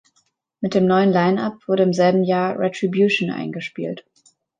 Mit dem neuen Line-Up wurde im selben Jahr "Retribution" eingespielt.